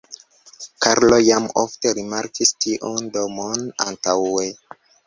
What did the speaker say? Karlo jam ofte rimarkis tiun domon antaŭe.